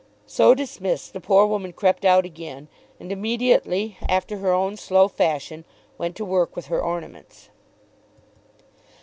So dismissed, the poor woman crept out again, and immediately, after her own slow fashion, went to work with her ornaments.